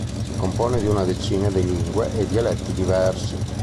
Si compone di una decina di lingue e dialetti diversi.